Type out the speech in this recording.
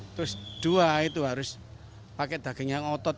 terus dua itu harus pakai daging yang otot